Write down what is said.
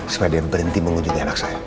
supaya dia berhenti mengunjungi anak saya